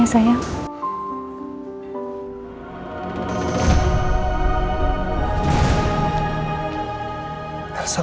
terima kasih banyak ya sayang